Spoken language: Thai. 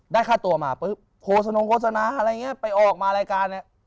ค่าตัวมาปุ๊บโฆษณงโฆษณาอะไรอย่างนี้ไปออกมารายการเนี่ย